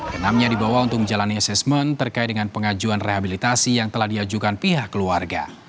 kenamnya dibawa untuk menjalani asesmen terkait dengan pengajuan rehabilitasi yang telah diajukan pihak keluarga